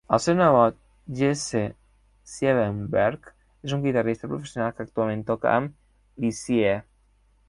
El seu nebot Jesse Siebenberg és un guitarrista professional que actualment toca amb Lissie.